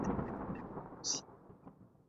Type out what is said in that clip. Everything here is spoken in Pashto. استازي به د غونډو د تالار نظم وساتي.